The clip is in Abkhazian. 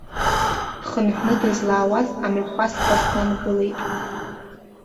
Дхынҳәны дызлаауаз амҩахәасҭа снангылеит.